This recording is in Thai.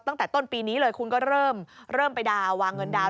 ตั้งแต่ต้นปีนี้เลยคุณก็เริ่มไปดาววางเงินดาวน